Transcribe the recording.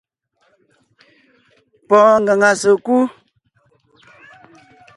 Pɔɔn ngaŋa sèkú .